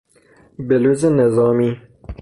بلوز نظامی